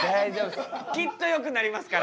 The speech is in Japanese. きっとよくなりますから。